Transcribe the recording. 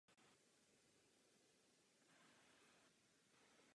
Jeho poválečná literatura a názory vedly ke sporům s církví.